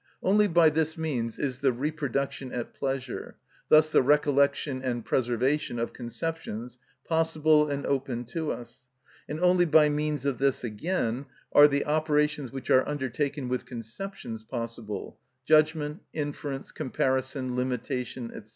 Only by this means is the reproduction at pleasure, thus the recollection and preservation, of conceptions possible and open to us; and only by means of this, again, are the operations which are undertaken with conceptions possible—judgment, inference, comparison, limitation, &c.